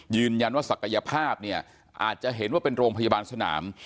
ว่าศักยภาพเนี่ยอาจจะเห็นว่าเป็นโรงพยาบาลสนาม